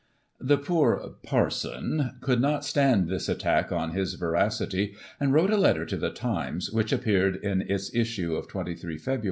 '" The poor " Parson " could not stand this attack on his veracity, and wrote a letter to the TimeSy which appeared in its issue of 23 Feb.